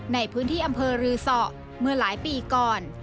ในพื้นที่อำเภอรือสอเมื่อหลายปีก่อน